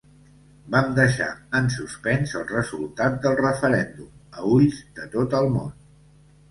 Vam deixar en suspens el resultat del referèndum a ulls de tot el món.